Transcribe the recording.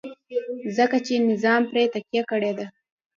ځکه چې نظام پرې تکیه کړې ده.